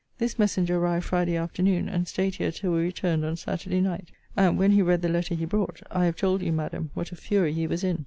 This messenger arrived Friday afternoon; and staid here till we returned on Saturday night: and, when he read the letter he brought I have told you, Madam, what a fury he was in.